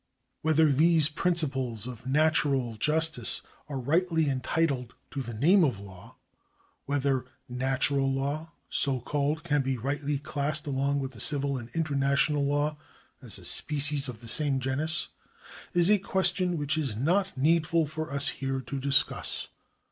Whether these principles of natural justice are rightly en titled to the name of law — ^whether natural law, so called, can be rightly classed along with civil and international law as a species of the same genus — is a question which it is not needful for us here to discuss.